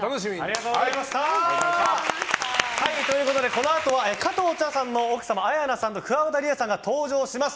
このあとは加藤茶さんの奥様綾菜さんとくわばたりえさんが登場します。